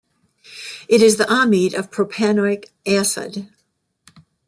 It is the amide of propanoic acid.